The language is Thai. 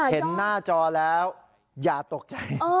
เห็นหน้าจอแล้วอย่าตกใจ